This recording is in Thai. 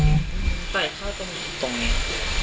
ต่อยเข้าตรงนี้ตรงนี้